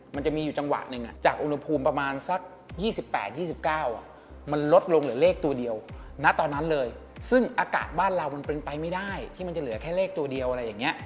มันจะมีอยู่จังหวะหนึ่ง